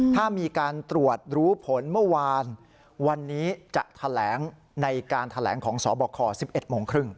ถ้ามีการตรวจรู้ผลเมื่อวานวันนี้จะแถลงในการแถลงของสบค๑๑โมงครึ่ง